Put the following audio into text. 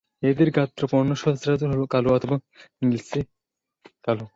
এদের গাত্রবর্ণ সচরাচর কালো অথবা নীলচে কালো।